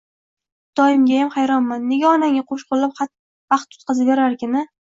Xudoyimgayam hayronman, nega onangga qo`shqo`llab baxt tutqazaverar ekan-a